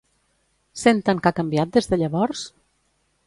Senten que ha canviat des de llavors?